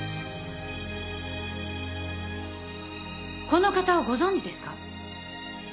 この方をご存じですか？